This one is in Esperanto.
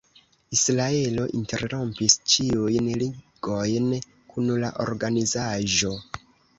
Israelo interrompis ĉiujn ligojn kun la organizaĵo.